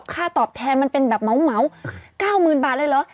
ค่าตอบแทนมันเป็นแบบเหมา๙๐๐๐บาทเลยเหรอ